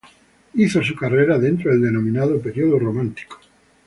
Hizo su carrera dentro del denominado periodo romántico.